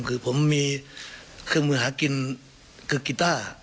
คือผมมีเครื่องมือหากินคือกีต้า